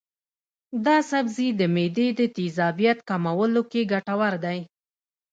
دا سبزی د معدې د تیزابیت کمولو کې ګټور دی.